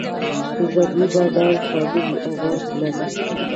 زنګي بادام خواږه وي او مغز لري.